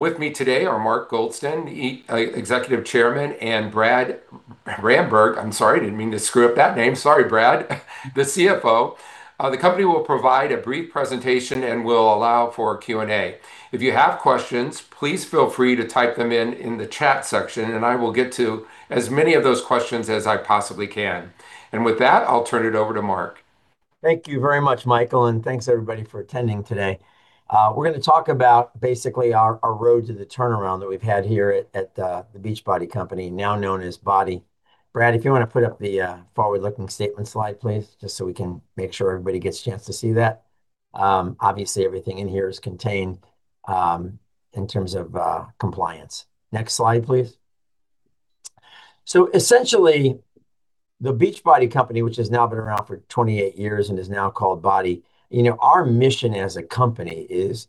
With me today are Mark Goldston, Executive Chairman, and Brad Ramberg. I'm sorry, I didn't mean to screw up that name. Sorry, Brad. The CFO. The company will provide a brief presentation and we'll allow for a Q&A. If you have questions, please feel free to type them in the chat section, and I will get to as many of those questions as I possibly can. With that, I'll turn it over to Mark. Thank you very much, Michael, and thanks everybody for attending today. We're going to talk about basically our road to the turnaround that we've had here at The Beachbody Company, now known as BODi. Brad, if you want to put up the forward-looking statement slide, please, just so we can make sure everybody gets a chance to see that. Obviously, everything in here is contained in terms of compliance. Next slide, please. Essentially, The Beachbody Company, which has now been around for 28 years and is now called BODi, our mission as a company is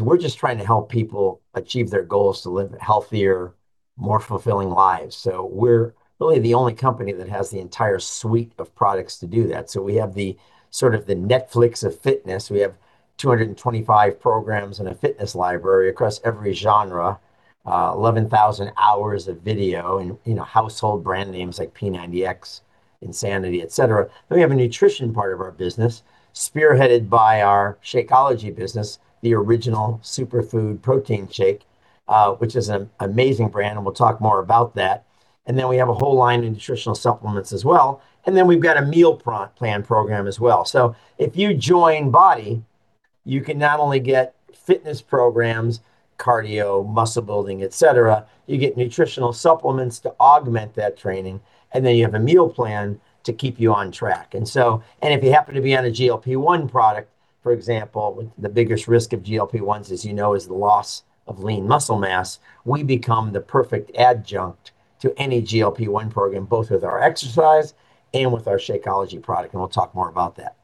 we're just trying to help people achieve their goals to live healthier, more fulfilling lives. We're really the only company that has the entire suite of products to do that. We have the Netflix of fitness. We have 225 programs in a fitness library across every genre, 11,000 hours of video, and household brand names like P90X, INSANITY, et cetera. We have a nutrition part of our business, spearheaded by our Shakeology business, the original superfood protein shake, which is an amazing brand, and we'll talk more about that. We have a whole line in nutritional supplements as well. We've got a meal plan program as well. If you join BODi, you can not only get fitness programs, cardio, muscle building, et cetera, you get nutritional supplements to augment that training, and then you have a meal plan to keep you on track. If you happen to be on a GLP-1 product, for example, the biggest risk of GLP-1s as you know is the loss of lean muscle mass, we become the perfect adjunct to any GLP-1 program, both with our exercise and with our Shakeology product, and we'll talk more about that.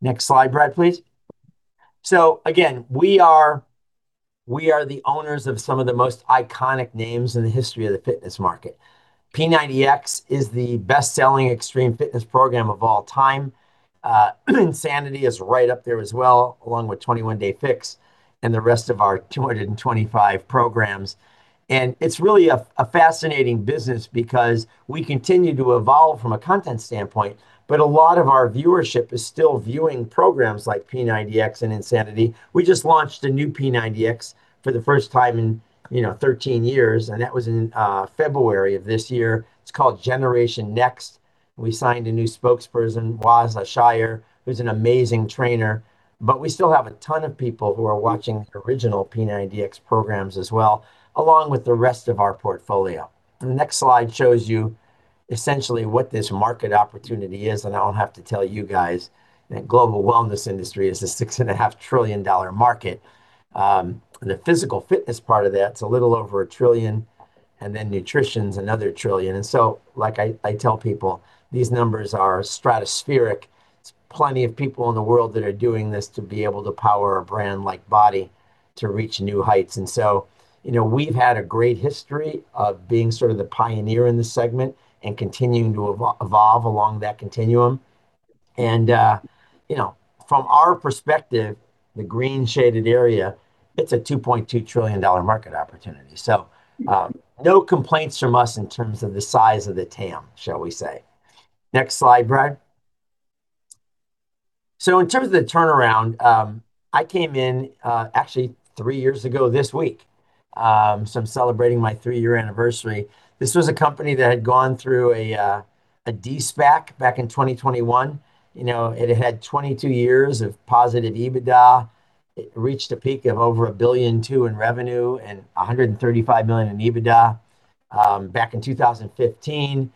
Next slide, Brad, please. Again, we are the owners of some of the most iconic names in the history of the fitness market. P90X is the best-selling extreme fitness program of all time. Insanity is right up there as well, along with 21 Day Fix and the rest of our 225 programs. It's really a fascinating business because we continue to evolve from a content standpoint, but a lot of our viewership is still viewing programs like P90X and Insanity. We just launched a new P90X for the first time in 13 years. That was in February of this year. It's called Generation Next. We signed a new spokesperson, Waz Ashayer, who's an amazing trainer. We still have a ton of people who are watching original P90X programs as well, along with the rest of our portfolio. The next slide shows you essentially what this market opportunity is. I don't have to tell you guys that global wellness industry is a $6.5 trillion market. The physical fitness part of that's a little over $1 trillion. Nutrition's another $1 trillion. Like I tell people, these numbers are stratospheric. There's plenty of people in the world that are doing this to be able to power a brand like BODi to reach new heights. We've had a great history of being the pioneer in this segment and continuing to evolve along that continuum. From our perspective, the green shaded area, it's a $2.2 trillion market opportunity. No complaints from us in terms of the size of the TAM, shall we say. Next slide, Brad. In terms of the turnaround, I came in actually three years ago this week. I'm celebrating my three-year anniversary. This was a company that had gone through a de-SPAC back in 2021. It had had 22 years of positive EBITDA. It reached a peak of over $1.2 billion in revenue and $135 million in EBITDA back in 2015.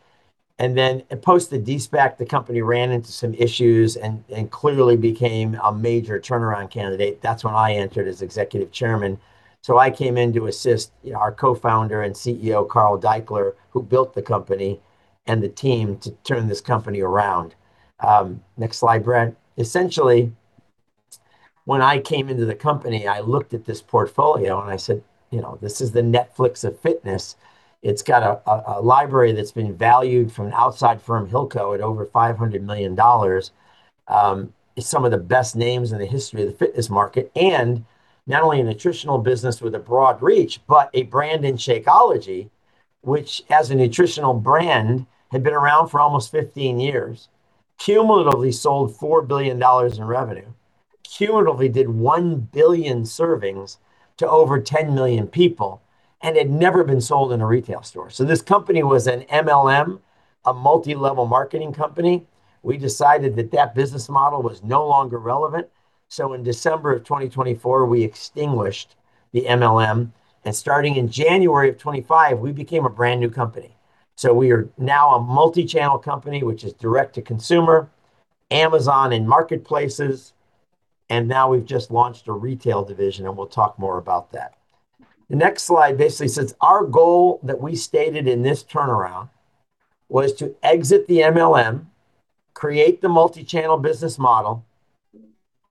Post the de-SPAC, the company ran into some issues and clearly became a major turnaround candidate. That's when I entered as Executive Chairman. I came in to assist our Co-Founder and CEO, Carl Daikeler, who built the company, and the team to turn this company around. Next slide, Brad. Essentially, when I came into the company, I looked at this portfolio and I said, "This is the Netflix of fitness." It's got a library that's been valued from an outside firm, Hilco, at over $500 million. It's some of the best names in the history of the fitness market, and not only a nutritional business with a broad reach, but a brand in Shakeology, which as a nutritional brand had been around for almost 15 years, cumulatively sold $4 billion in revenue, cumulatively did 1 billion servings to over 10 million people, and had never been sold in a retail store. This company was an MLM, a multi-level marketing company. We decided that that business model was no longer relevant. In December of 2024, we extinguished the MLM, starting in January of 2025, we became a brand-new company. We are now a multi-channel company, which is direct to consumer, Amazon, and marketplaces. Now we've just launched a retail division, and we'll talk more about that. The next slide basically says our goal that we stated in this turnaround was to exit the MLM, create the multi-channel business model,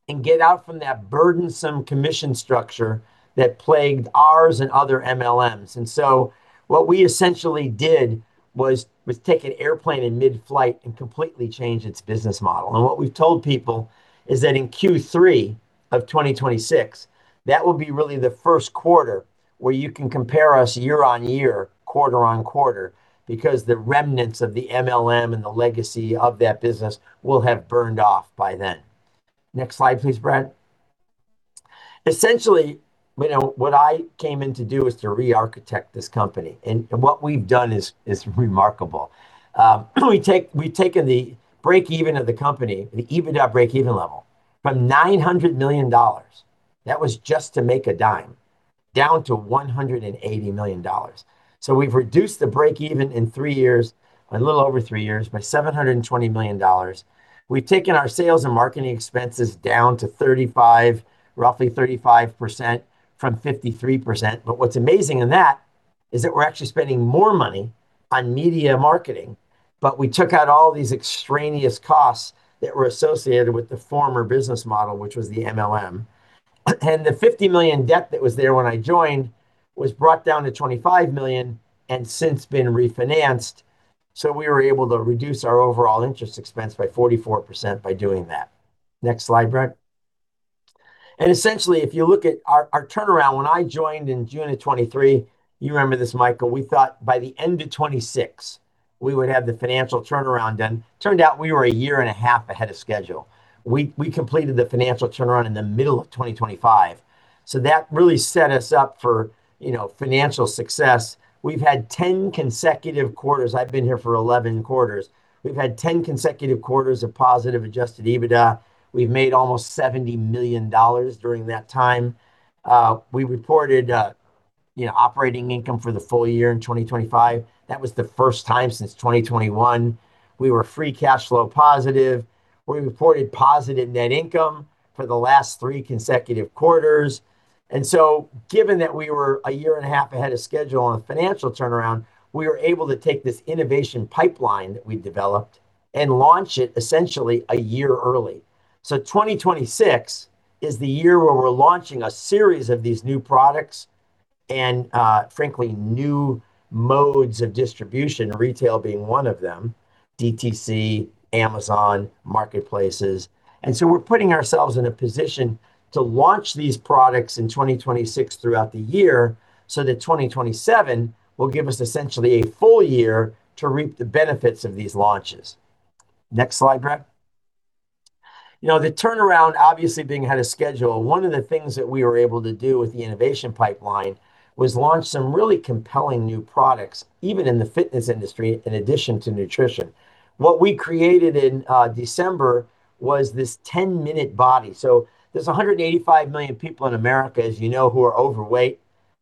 and get out from that burdensome commission structure that plagued ours and other MLMs. What we essentially did was take an airplane in mid-flight and completely change its business model. What we've told people is that in Q3 of 2026, that will be really the Q1 where you can compare us year-on-year, quarter-on-quarter, because the remnants of the MLM and the legacy of that business will have burned off by then. Next slide please, Brad. Essentially, what I came in to do was to re-architect this company. What we've done is remarkable. We've taken the break even of the company, the EBITDA break even level, from $900 million, that was just to make a dime, down to $180 million. We've reduced the break even in a little over three years by $720 million. We've taken our sales and marketing expenses down to roughly 35% from 53%. What's amazing in that is that we're actually spending more money on media marketing, but we took out all of these extraneous costs that were associated with the former business model, which was the MLM. The $50 million debt that was there when I joined was brought down to $25 million, and since been refinanced. We were able to reduce our overall interest expense by 44% by doing that. Next slide, Brad. Essentially, if you look at our turnaround, when I joined in June of 2023, you remember this, Michael, we thought by the end of 2026 we would have the financial turnaround done. Turned out we were a year and a half ahead of schedule. We completed the financial turnaround in the middle of 2025. That really set us up for financial success. We've had 10 consecutive quarters, I've been here for Q11. We've had 10 consecutive quarters of positive adjusted EBITDA. We've made almost $70 million during that time. We reported operating income for the full year in 2025. That was the first time since 2021. We were free cash flow positive. We reported positive net income for the last three consecutive quarters. Given that we were a year and a half ahead of schedule on a financial turnaround, we were able to take this innovation pipeline that we developed and launch it essentially a year early. 2026 is the year where we're launching a series of these new products and, frankly, new modes of distribution, retail being one of them, DTC, Amazon, marketplaces. We're putting ourselves in a position to launch these products in 2026 throughout the year so that 2027 will give us essentially a full year to reap the benefits of these launches. Next slide, Brad. The turnaround, obviously being ahead of schedule, one of the things that we were able to do with the innovation pipeline was launch some really compelling new products, even in the fitness industry, in addition to nutrition. What we created in December was this 10-Minute Trainer. There's 185 million people in America, you know, who are overweight.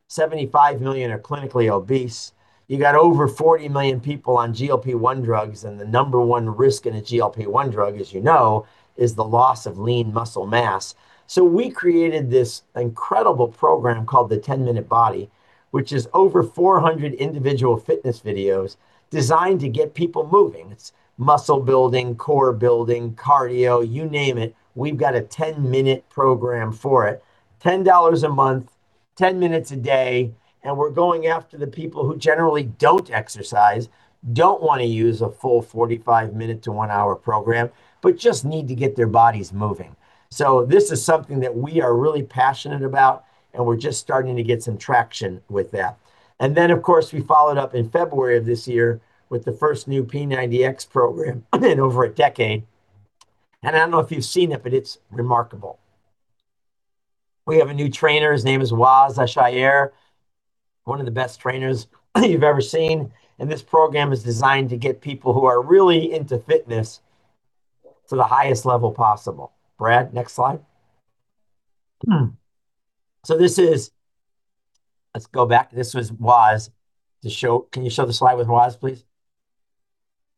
75 million are clinically obese. You've got over 40 million people on GLP-1 drugs, and the number one risk in a GLP-1 drug, you know, is the loss of lean muscle mass. We created this incredible program called the 10 Minute Body, which is over 400 individual fitness videos designed to get people moving. It's muscle building, core building, cardio, you name it, we've got a 10-minute program for it. $10 a month, 10 minutes a day, and we're going after the people who generally don't exercise, don't want to use a full 45 minute to one-hour program, but just need to get their bodies moving. This is something that we are really passionate about, and we're just starting to get some traction with that. Then, of course, we followed up in February of this year with the first new P90X program in over a decade. I don't know if you've seen it, but it's remarkable. We have a new trainer. His name is Waz Ashayer, one of the best trainers you've ever seen. This program is designed to get people who are really into fitness to the highest level possible. Brad, next slide. Let's go back. This was Waz. Can you show the slide with Waz, please?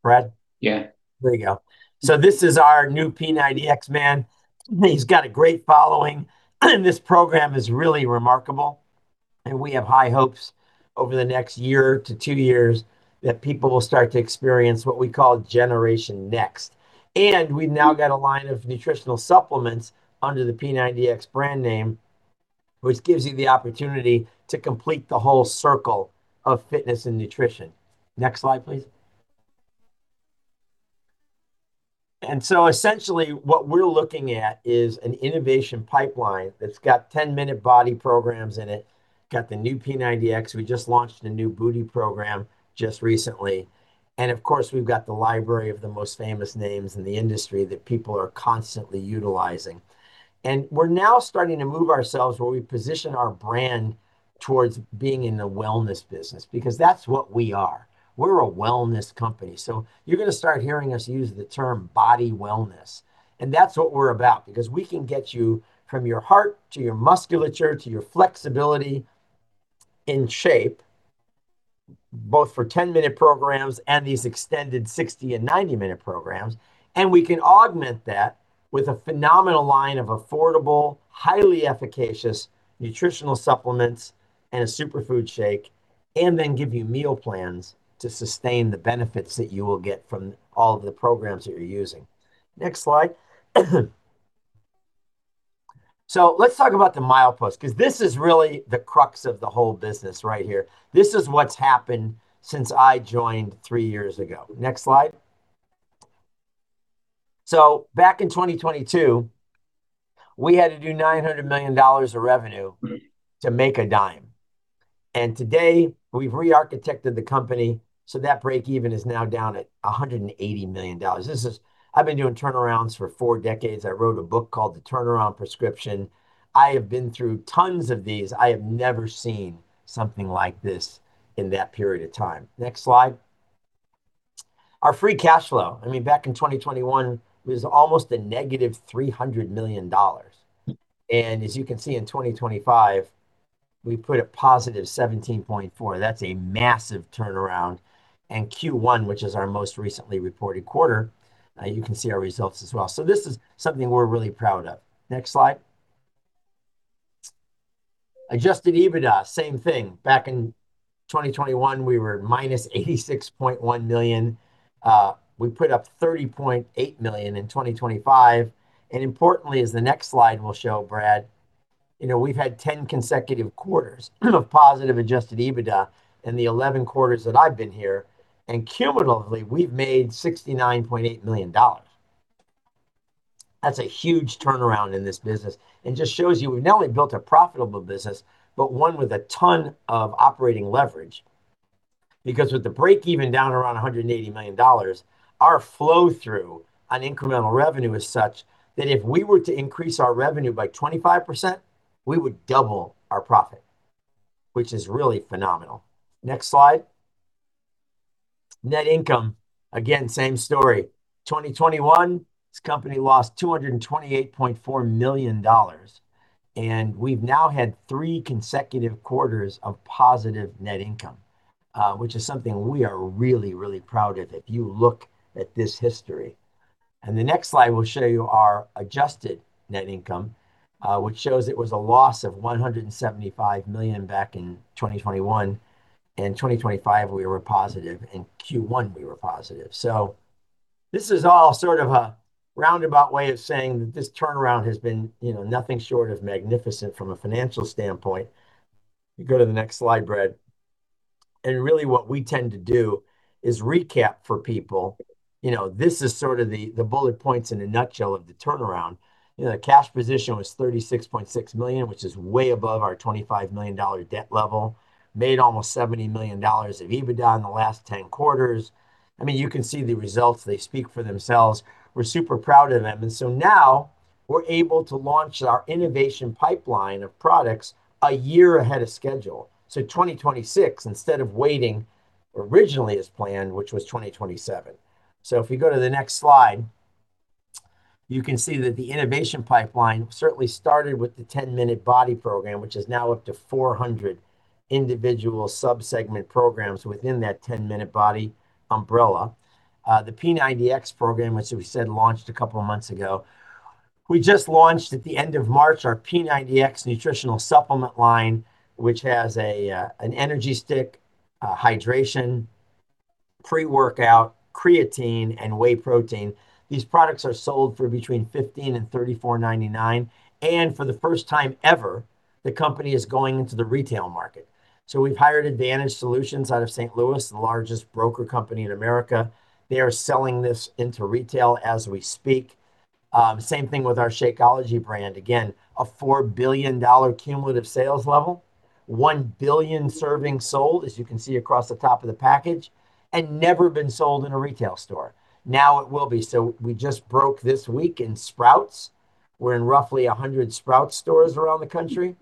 Brad? Yeah. There you go. This is our new P90X man. He's got a great following, and this program is really remarkable, and we have high hopes over the next year to two years that people will start to experience what we call Generation Next. We've now got a line of nutritional supplements under the P90X brand name, which gives you the opportunity to complete the whole circle of fitness and nutrition. Next slide, please. Essentially, what we're looking at is an innovation pipeline that's got 10-Minute Body programs in it. Got the new P90X. We just launched a new booty program just recently. Of course, we've got the library of the most famous names in the industry that people are constantly utilizing. We're now starting to move ourselves where we position our brand towards being in the wellness business, because that's what we are. We're a wellness company. You're going to start hearing us use the term BODi Wellness, and that's what we're about. We can get you from your heart, to your musculature, to your flexibility, in shape, both for 10-minute programs and these extended 60- and 90-minute programs. We can augment that with a phenomenal line of affordable, highly efficacious nutritional supplements and a superfood shake, and then give you meal plans to sustain the benefits that you will get from all of the programs that you're using. Next slide. Let's talk about the milepost, because this is really the crux of the whole business right here. This is what's happened since I joined three years ago. Next slide. Back in 2022, we had to do $900 million of revenue to make a dime. Today we've re-architected the company, so that breakeven is now down at $180 million. I've been doing turnarounds for four decades. I wrote a book called "The Turnaround Prescription." I have been through tons of these. I have never seen something like this in that period of time. Next slide. Our free cash flow, back in 2021, was almost a negative $300 million. As you can see in 2025, we put a positive $17.4. That's a massive turnaround. Q1, which is our most recently reported quarter, you can see our results as well. This is something we're really proud of. Next slide. Adjusted EBITDA, same thing. Back in 2021, we were minus $86.1 million. We put up $30.8 million in 2025. As the next slide will show, Brad, we've had 10 consecutive quarters of positive adjusted EBITDA in the 11 quarters that I've been here, and cumulatively, we've made $69.8 million. That's a huge turnaround in this business and just shows you we've not only built a profitable business, but one with a ton of operating leverage. With the breakeven down around $180 million, our flow-through on incremental revenue is such that if we were to increase our revenue by 25%, we would double our profit, which is really phenomenal. Next slide. Net income, again, same story. 2021, this company lost $228.4 million, and we've now had three consecutive quarters of positive net income, which is something we are really, really proud of if you look at this history. The next slide will show you our adjusted net income, which shows it was a loss of $175 million back in 2021. In 2025, we were positive. Q1 we were positive. This is all sort of a roundabout way of saying that this turnaround has been nothing short of magnificent from a financial standpoint. You go to the next slide, Brad. Really what we tend to do is recap for people. This is sort of the bullet points in a nutshell of the turnaround. The cash position was $36.6 million, which is way above our $25 million debt level. We made almost $70 million of EBITDA in the last Q10. You can see the results. They speak for themselves. We're super proud of them. Now we're able to launch our innovation pipeline of products a year ahead of schedule. 2026, instead of waiting originally as planned, which was 2027. If we go to the next slide, you can see that the innovation pipeline certainly started with the 10 Minute Body program, which is now up to 400 individual sub-segment programs within that 10 Minute Body umbrella. The P90X program, which we said launched a couple of months ago. We just launched at the end of March our P90X nutritional supplement line, which has an energy stick, a hydration, pre-workout creatine, and whey protein. These products are sold for between $15 and $34.99, and for the first time ever, the company is going into the retail market. We've hired Advantage Solutions out of St. Louis, the largest broker company in America. They are selling this into retail as we speak. Same thing with our Shakeology brand. A $4 billion cumulative sales level, 1 billion servings sold, as you can see across the top of the package, never been sold in a retail store. It will be. We just broke this week in Sprouts. We're in roughly 100 Sprouts stores around the country.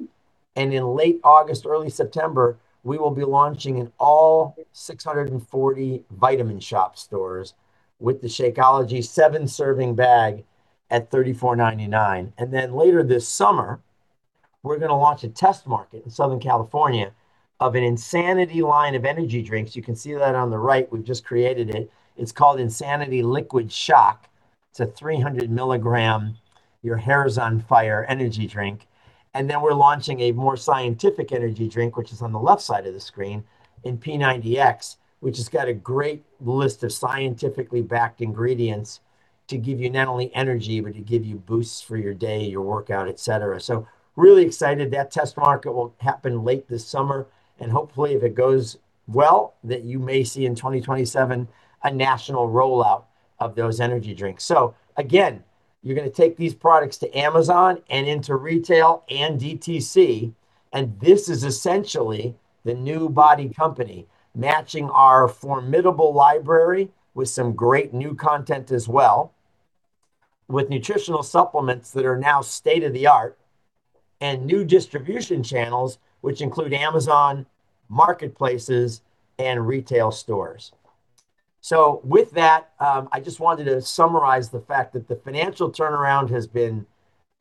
In late August, early September, we will be launching in all 640 Vitamin Shoppe stores with the Shakeology seven-serving bag at $34.99. Later this summer, we're going to launch a test market in Southern California of an Insanity line of energy drinks. You can see that on the right. We've just created it. It's called Insanity Liquid Shock. It's a 300 mg, your hair's on fire energy drink. We're launching a more scientific energy drink, which is on the left side of the screen in P90X, which has got a great list of scientifically backed ingredients to give you not only energy, but to give you boosts for your day, your workout, et cetera. Really excited. That test market will happen late this summer, and hopefully, if it goes well, that you may see in 2027 a national rollout of those energy drinks. Again, you're going to take these products to Amazon and into retail and DTC, and this is essentially the new BODi company, matching our formidable library with some great new content as well, with nutritional supplements that are now state-of-the-art and new distribution channels, which include Amazon Marketplaces and retail stores. With that, I just wanted to summarize the fact that the financial turnaround has been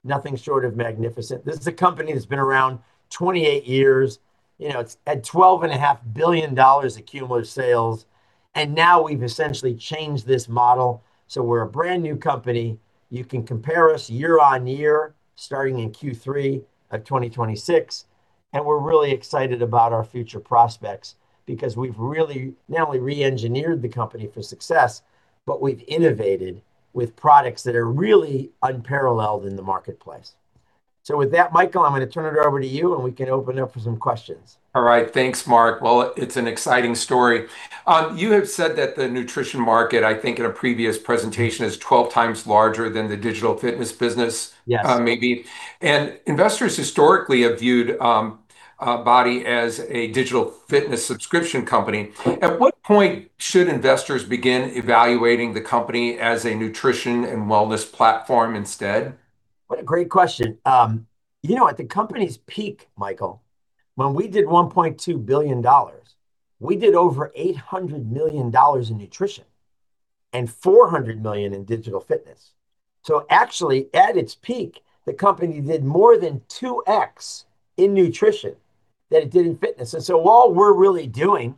nothing short of magnificent. This is a company that's been around 28 years. It's had $12.5 billion of cumulative sales. Now we've essentially changed this model, so we're a brand new company. You can compare us year-on-year starting in Q3 of 2026. We're really excited about our future prospects because we've really not only re-engineered the company for success, but we've innovated with products that are really unparalleled in the marketplace. With that, Michael, I'm going to turn it over to you, and we can open it up for some questions. All right. Thanks, Mark. Well, it's an exciting story. You have said that the nutrition market, I think in a previous presentation, is 12x larger than the digital fitness business. Yes Maybe. Investors historically have viewed BODi as a digital fitness subscription company. At what point should investors begin evaluating the company as a nutrition and wellness platform instead? What a great question. At the company's peak, Michael, when we did $1.2 billion, we did over $800 million in nutrition and $400 million in digital fitness. Actually, at its peak, the company did more than 2x in nutrition than it did in fitness. All we're really doing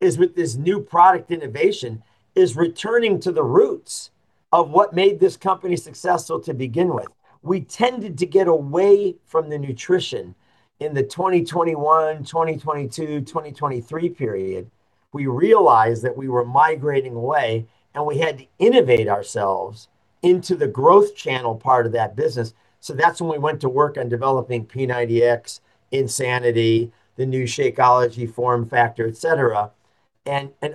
is with this new product innovation, is returning to the roots of what made this company successful to begin with. We tended to get away from the nutrition in the 2021, 2022, 2023 period. We realized that we were migrating away, and we had to innovate ourselves into the growth channel part of that business. That's when we went to work on developing P90X, INSANITY, the new Shakeology, Form Factor, et cetera.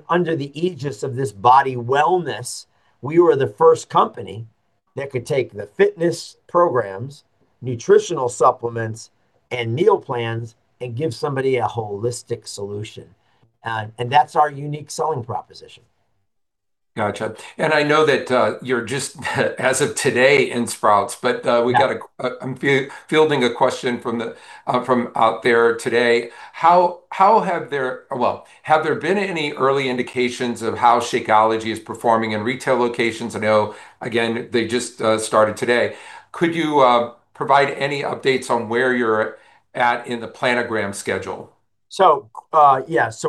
Under the aegis of this BODi Wellness, we were the first company that could take the fitness programs, nutritional supplements, and meal plans, and give somebody a holistic solution. That's our unique selling proposition. Got you. I know that you're just as of today in Sprouts, but I'm fielding a question from out there today. Have there been any early indications of how Shakeology is performing in retail locations? I know, again, they just started today. Could you provide any updates on where you're at in the planogram schedule?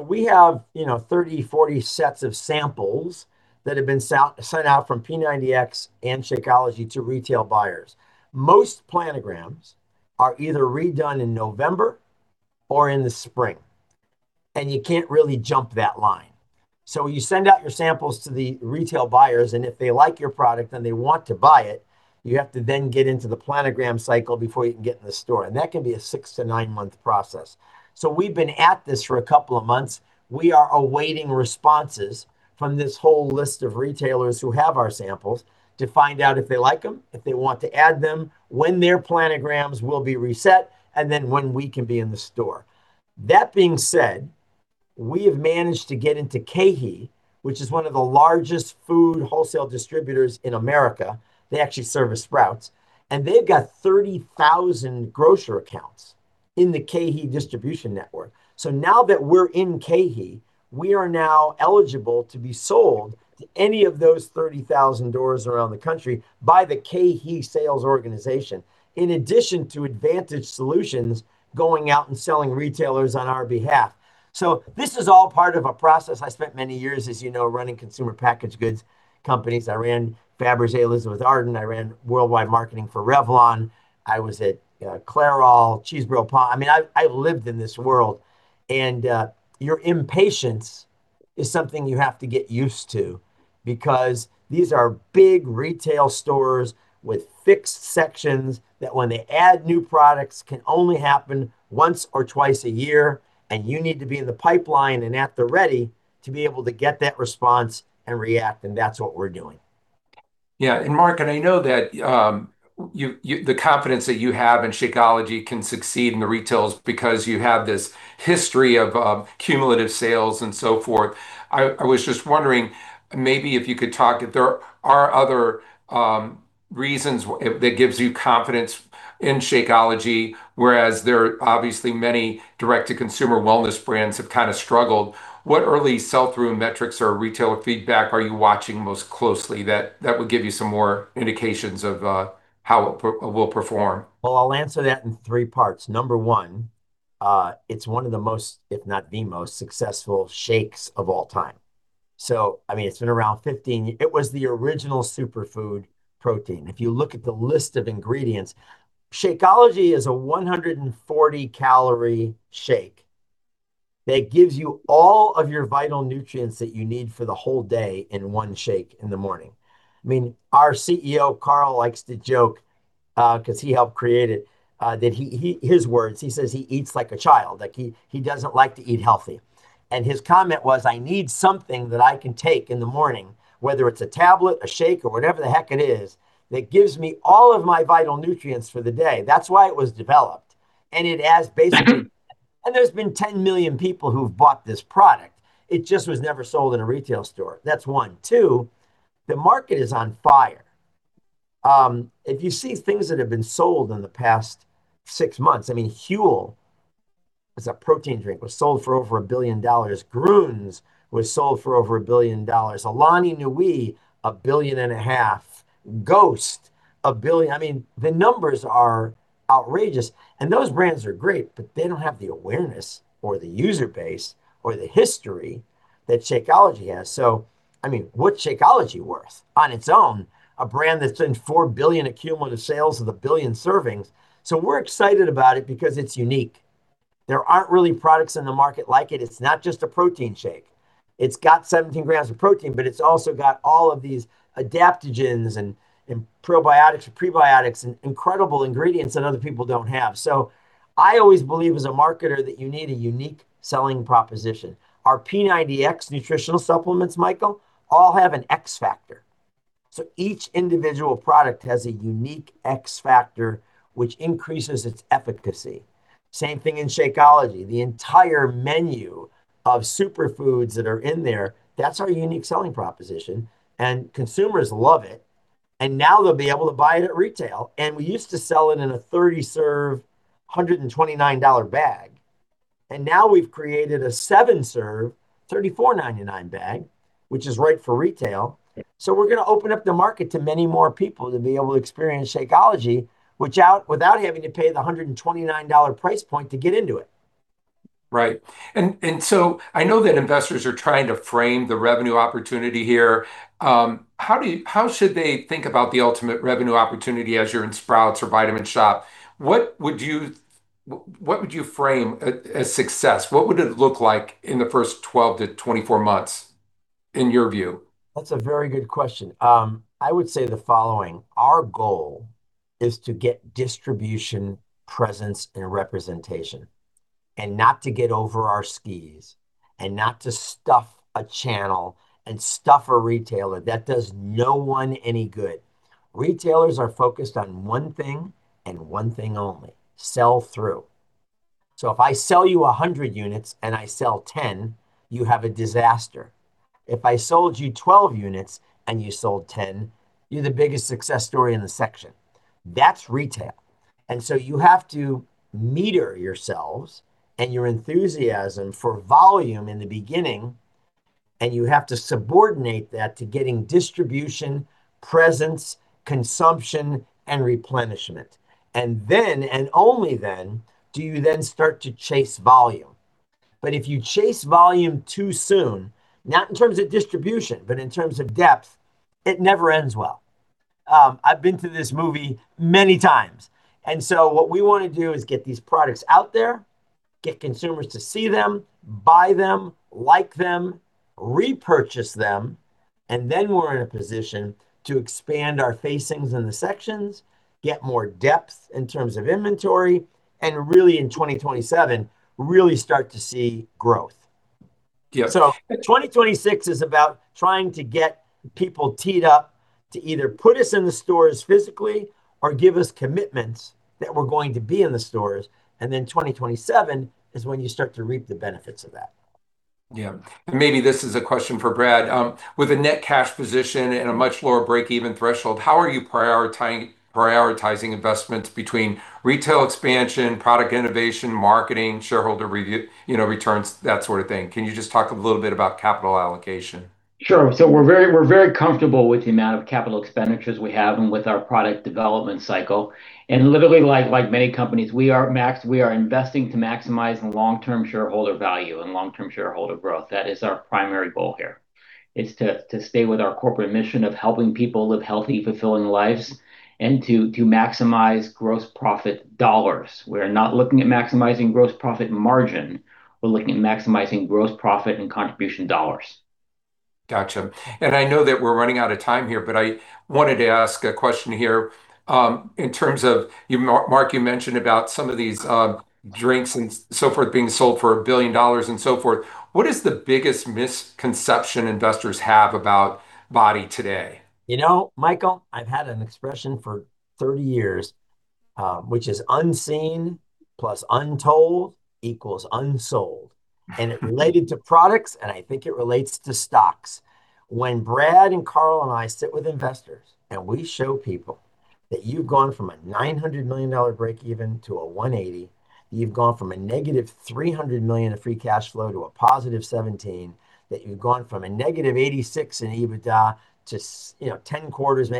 We have 30, 40 sets of samples that have been sent out from P90X and Shakeology to retail buyers. Most planograms are either redone in November or in the spring, and you can't really jump that line. You send out your samples to the retail buyers, and if they like your product and they want to buy it, you have to then get into the planogram cycle before you can get in the store, and that can be a six-nine month process. We've been at this for a couple of months. We are awaiting responses from this whole list of retailers who have our samples to find out if they like them, if they want to add them, when their planograms will be reset, and then when we can be in the store. That being said, we have managed to get into KeHE, which is one of the largest food wholesale distributors in America. They actually service Sprouts, they've got 30,000 grocer accounts in the KeHE distribution network. Now that we're in KeHE, we are now eligible to be sold to any of those 30,000 doors around the country by the KeHE sales organization, in addition to Advantage Solutions going out and selling retailers on our behalf. This is all part of a process. I spent many years, as you know, running consumer packaged goods companies. I ran Fabergé, Elizabeth Arden. I ran worldwide marketing for Revlon. I was at Clairol, Chesebrough-Pond's. I lived in this world, and your impatience is something you have to get used to because these are big retail stores with fixed sections that when they add new products, can only happen once or twice a year, and you need to be in the pipeline and at the ready to be able to get that response and react, and that's what we're doing. Yeah, Mark, I know that the confidence that you have in Shakeology can succeed in the retails because you have this history of cumulative sales and so forth. I was just wondering maybe if you could talk, if there are other reasons that gives you confidence in Shakeology, whereas there are obviously many direct-to-consumer wellness brands have struggled. What early sell-through metrics or retailer feedback are you watching most closely that would give you some more indications of how it will perform? Well, I'll answer that in three parts. Number one, it's one of the most, if not the most successful shakes of all time. It's been around 15. It was the original superfood protein. If you look at the list of ingredients, Shakeology is a 140-calorie shake that gives you all of your vital nutrients that you need for the whole day in one shake in the morning. Our CEO, Carl, likes to joke, because he helped create it, his words, he says he eats like a child, that he doesn't like to eat healthy. His comment was, "I need something that I can take in the morning, whether it's a tablet, a shake, or whatever the heck it is, that gives me all of my vital nutrients for the day." That's why it was developed. It has been 10 million people who've bought this product. It just was never sold in a retail store. That's one. Two, the market is on fire. If you see things that have been sold in the past six months, Huel is a protein drink, was sold for over $1 billion. Grüns was sold for over $1 billion. Alani Nu, $1.5 billion. Ghost, $1 billion. The numbers are outrageous, those brands are great, but they don't have the awareness or the user base or the history that Shakeology has. What's Shakeology worth? On its own, a brand that's done $4 billion in cumulative sales with 1 billion servings. We're excited about it because it's unique. There aren't really products in the market like it. It's not just a protein shake. It's got 17 grams of protein, but it's also got all of these adaptogens and probiotics and prebiotics, and incredible ingredients that other people don't have. I always believe, as a marketer, that you need a unique selling proposition. Our P90X nutritional supplements, Michael, all have an X factor. Each individual product has a unique X factor which increases its efficacy. Same thing in Shakeology, the entire menu of superfoods that are in there, that's our unique selling proposition, and consumers love it. Now they'll be able to buy it at retail. We used to sell it in a 30 serve, $129 bag. Now we've created a seven serve, $34.99 bag, which is right for retail. Yeah. We're going to open up the market to many more people to be able to experience Shakeology, without having to pay the $129 price point to get into it. Right. I know that investors are trying to frame the revenue opportunity here. How should they think about the ultimate revenue opportunity as you're in Sprouts or Vitamin Shoppe? What would you frame as success? What would it look like in the first 12 - 24 months, in your view? That's a very good question. I would say the following: Our goal is to get distribution presence and representation, and not to get over our skis, and not to stuff a channel and stuff a retailer. That does no one any good. Retailers are focused on one thing and one thing only: sell through. If I sell you 100 units and I sell 10, you have a disaster. If I sold you 12 units and you sold 10, you're the biggest success story in the section. That's retail. You have to meter yourselves and your enthusiasm for volume in the beginning, and you have to subordinate that to getting distribution presence, consumption, and replenishment. Then, and only then, do you then start to chase volume. If you chase volume too soon, not in terms of distribution, but in terms of depth, it never ends well. I've been to this movie many times. What we want to do is get these products out there, get consumers to see them, buy them, like them, repurchase them, and then we're in a position to expand our facings in the sections, get more depth in terms of inventory, and really in 2027, really start to see growth. Yeah. 2026 is about trying to get people teed up to either put us in the stores physically or give us commitments that we're going to be in the stores. 2027 is when you start to reap the benefits of that. Yeah. Maybe this is a question for Brad. With a net cash position and a much lower breakeven threshold, how are you prioritizing investments between retail expansion, product innovation, marketing, shareholder returns, that sort of thing? Can you just talk a little bit about capital allocation? Sure. We're very comfortable with the amount of capital expenditures we have and with our product development cycle. Literally like many companies, we are investing to maximize long-term shareholder value and long-term shareholder growth. That is our primary goal here, is to stay with our corporate mission of helping people live healthy, fulfilling lives, and to maximize gross profit dollars. We're not looking at maximizing gross profit margin. We're looking at maximizing gross profit and contribution dollars. Got you. I know that we're running out of time here, but I wanted to ask a question here. In terms of, Mark, you mentioned about some of these drinks and so forth being sold for $1 billion and so forth. What is the biggest misconception investors have about BODi today? Michael, I've had an expression for 30 years, which is unseen plus untold equals unsold. It related to products, and I think it relates to stocks. When Brad and Carl and I sit with investors and we show people that you've gone from a $900 million breakeven to $180 million, you've gone from a negative $300 million of free cash flow to a positive $17 million, that you've gone from a negative $86 million in EBITDA to 10 quarters,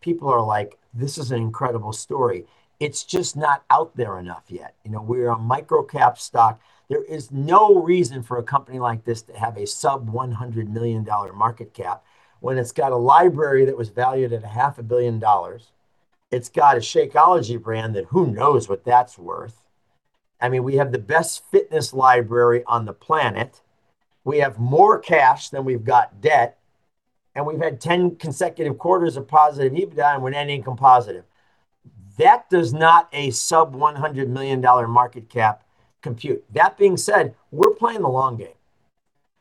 people are like, "This is an incredible story." It's just not out there enough yet. We're a micro-cap stock. There is no reason for a company like this to have a sub $100 million market cap when it's got a library that was valued at a half a billion dollars. It's got a Shakeology brand that who knows what that's worth. We have the best fitness library on the planet. We have more cash than we've got debt, and we've had 10 consecutive quarters of positive EBITDA and we're net income positive. That does not a sub $100 million market cap compute. That being said, we're playing the long game.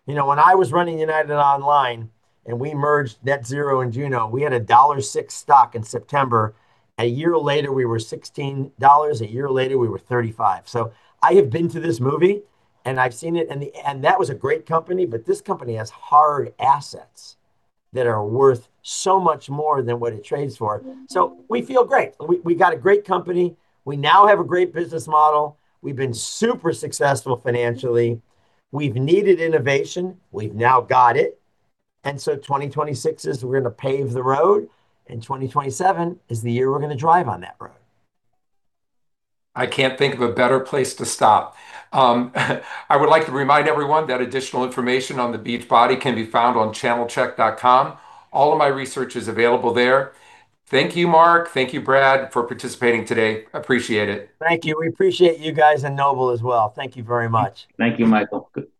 When I was running United Online and we merged NetZero and Juno, we had a $1.06 stock in September. A year later, we were $16. A year later, we were $35. I have been to this movie and I've seen it, and that was a great company. This company has hard assets that are worth so much more than what it trades for. We feel great. We got a great company. We now have a great business model. We've been super successful financially. We've needed innovation. We've now got it. 2026 is we're going to pave the road, and 2027 is the year we're going to drive on that road. I can't think of a better place to stop. I would like to remind everyone that additional information on the Beachbody can be found on channelchek.com. All of my research is available there. Thank you, Mark. Thank you, Brad, for participating today. Appreciate it. Thank you. We appreciate you guys and Noble as well. Thank you very much. Thank you, Michael. Bye.